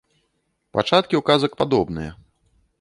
Пачаткі у казак падобныя.